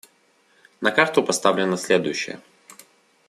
На карту поставлено следующее.